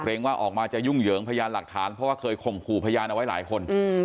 ว่าออกมาจะยุ่งเหยิงพยานหลักฐานเพราะว่าเคยข่มขู่พยานเอาไว้หลายคน